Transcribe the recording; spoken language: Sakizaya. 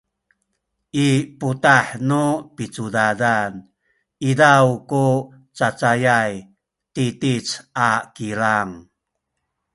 i putah nu picudadan izaw ku cacayay titic a kilang